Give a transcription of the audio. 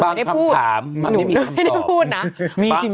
บางคำถามมันไม่มีคำตอบไม่ได้พูดนะ